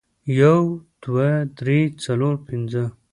یو، دوه، درې، څلور، پنځه